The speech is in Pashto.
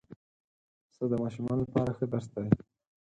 پسه د ماشومانو لپاره ښه درس دی.